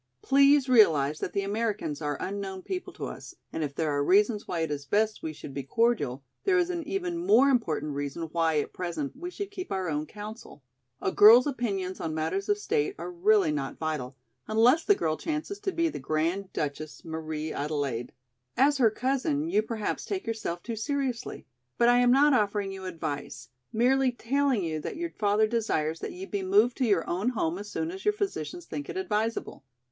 Please realize that the Americans are unknown people to us and if there are reasons why it is best we should be cordial, there is an even more important reason why, at present, we should keep our own council. A girl's opinions on matters of state are really not vital, unless the girl chances to be the Grand Duchess Marie Adelaide. As her cousin you perhaps take yourself too seriously. But I am not offering you advice, merely telling you that your father desires that you be moved to your own home as soon as your physicians think it advisable.